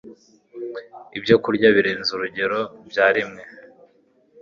Ibyokurya birenze urugero byariwe